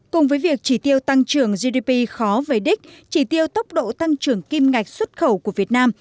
cùng với việc chỉ tiêu tăng trưởng gdp khó về đích chỉ tiêu tốc độ tăng trưởng kim ngạch xuất khẩu của việt nam